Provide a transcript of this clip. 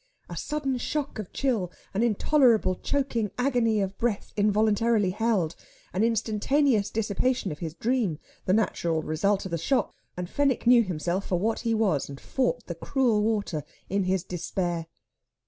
A sudden shock of chill, an intolerable choking agony of breath involuntarily held, an instantaneous dissipation of his dream, the natural result of the shock, and Fenwick knew himself for what he was, and fought the cruel water in his despair.